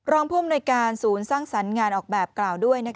รองผู้อำนวยการศูนย์สร้างสรรค์งานออกแบบกล่าวด้วย